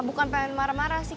bukan pengen marah marah sih